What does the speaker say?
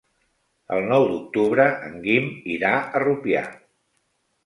El nou d'octubre en Guim irà a Rupià.